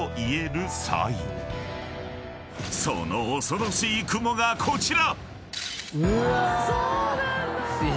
［その恐ろしい雲がこちら！］